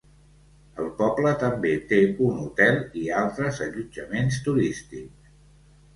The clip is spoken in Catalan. El poble també té un hotel i altres allotjaments turístics.